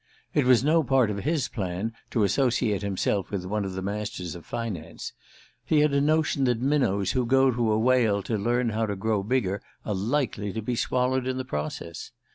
It was no part of his plan to associate himself with one of the masters of finance: he had a notion that minnows who go to a whale to learn how to grow bigger are likely to be swallowed in the process.